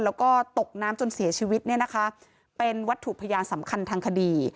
แล้วก็ตกน้ำจนเสียชีวิตเนี่ยนะคะเป็นวัตถุพยานสำคัญทางคดี